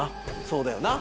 そうだよな。